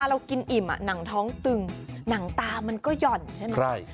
เรากินอิ่มหนังท้องตึงหนังตามันก็หย่อนใช่ไหม